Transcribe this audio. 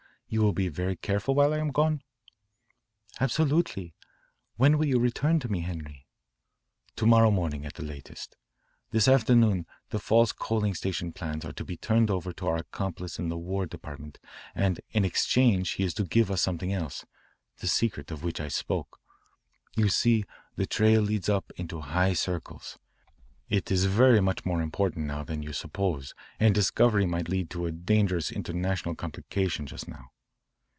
You will be very careful while I am gone?" "Absolutely. When will you return to me, Henri?" "To morrow morning at the latest. This afternoon the false coaling station plans are to be turned over to our accomplice in the War Department and in exchange he is to give us something else the secret of which I spoke. You see the trail leads up into high circles. It is very much more important than you suppose and discovery might lead to a dangerous international complication just now."